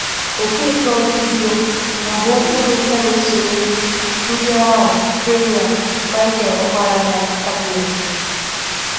Okeke-Ojiudu mbụ Minister na-esonyere ndị ahụ Premier Michael Okpara ya kabinet.